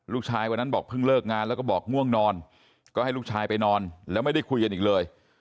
วันนั้นบอกเพิ่งเลิกงานแล้วก็บอกง่วงนอนก็ให้ลูกชายไปนอนแล้วไม่ได้คุยกันอีกเลย